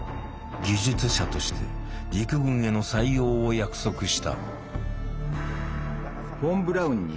技術者として陸軍への採用を約束した。